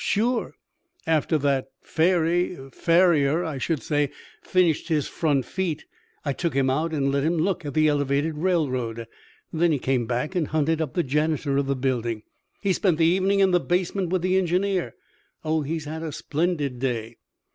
"Sure! After that fairy farrier, I should say finished his front feet, I took him out and let him look at the elevated railroad. Then he came back and hunted up the janitor of the building. He spent the evening in the basement with the engineer. Oh, he's had a splendid day!"